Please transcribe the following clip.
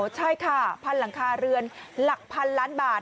ใช่ค่ะพันหลังคาเรือนหลักพันล้านบาท